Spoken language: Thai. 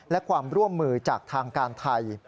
และความร่วมมือจากทางการไทย